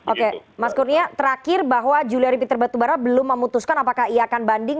oke mas kurnia terakhir bahwa juliari peter batubara belum memutuskan apakah ia akan banding